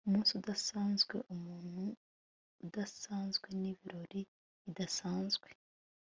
umunsi udasanzwe, umuntu udasanzwe nibirori bidasanzwe